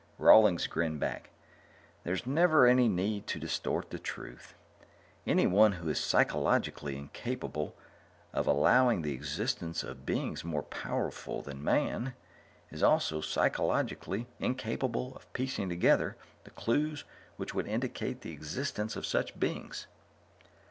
Rawlings grinned back. "There's never any need to distort the truth. Anyone who is psychologically incapable of allowing the existence of beings more powerful than Man is also psychologically incapable of piecing together the clues which would indicate the existence of such beings."